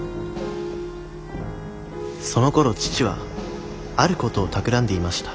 そのころ父はあることをたくらんでいました